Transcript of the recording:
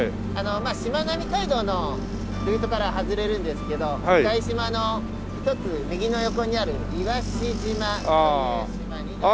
しまなみ海道のルートからは外れるんですけど向島の一つ右の横にある岩子島という島になります。